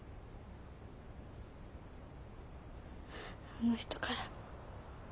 あの人から。